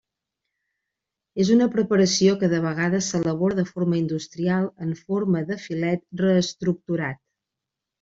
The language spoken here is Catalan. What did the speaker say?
És una preparació que de vegades s'elabora de forma industrial en forma de filet reestructurat.